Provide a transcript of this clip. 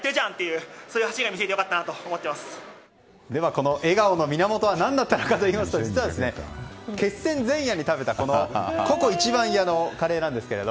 この笑顔の源は何だったのかといいますと実は、決戦前夜に食べたＣｏＣｏ壱番屋のカレーなんです。